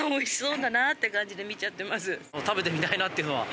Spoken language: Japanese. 食べてみたいなっていうのは。